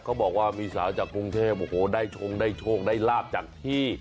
เขาบอกว่ามีสาวจากกรุงเทพโอ้โหได้ชงได้โชคได้ลาบจากที่